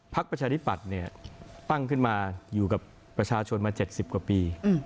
ประชาธิปัตย์ตั้งขึ้นมาอยู่กับประชาชนมา๗๐กว่าปี